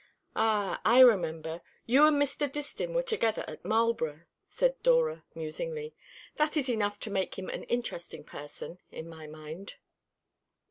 "Ah, I remember. You and Mr. Distin were together at Marlborough," said Dora musingly. "That is enough to make him an interesting person in my mind."